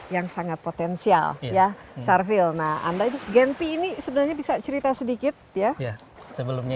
yang sangat potensial ya sarfil nah anda genpi ini sebenarnya bisa cerita sedikit ya sebelumnya